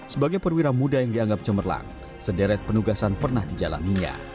sebagai perwira muda yang dianggap cemerlang sederet penugasan pernah dijalaninya